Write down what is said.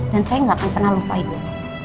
dan saya gak akan pernah lupa itu